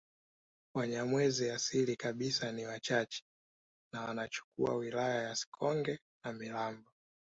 Wanyamwezi asili kabisa ni wachache na wanachukua wilaya ya Sikonge na Mirambo